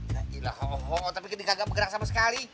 gila ho ho tapi dia nggak bergerak sama sekali